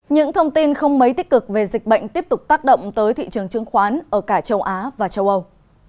những thông tin không mấy tích cực về dịch bệnh tiếp tục tác động tới thị trường chứng khoán ở cả châu á và châu âu